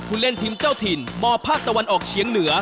เล่นทีมเจ้าถิ่นมภาคตะวันออกเฉียงเหนือ